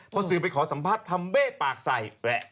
พอสื่อไปขอสัมภาษณ์ทำเบ้ปากใส่